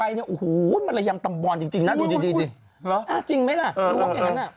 อันนี้อูหูมะระยำตำบลจริงน่ะดูดิจริงไหมละล้วงอย่างนั้น